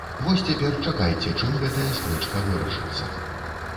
Вось цяпер чакайце, чым гэтая спрэчка вырашыцца.